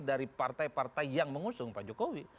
dari partai partai yang mengusung pak jokowi